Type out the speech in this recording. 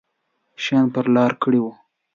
شیان پر لار کړي وو.